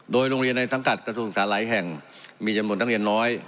โดยโรงเรียนในสังกัดกระทรวงศึกษาหลายแห่งมีจำนวนนักเรียนน้อย